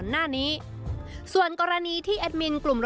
นะครับ